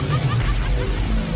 jangan sampai ada yang mencuri mayat